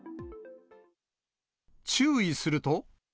注意すると。